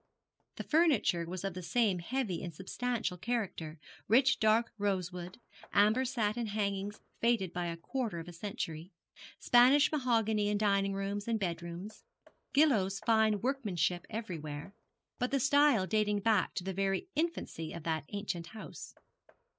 The furniture was of the same heavy and substantial character, rich dark rosewood, amber satin hangings faded by a quarter of a century; Spanish mahogany in dining rooms and bedrooms; Gillow's fine workmanship everywhere, but the style dating back to the very infancy of that ancient house.